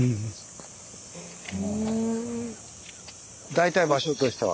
大体場所としては。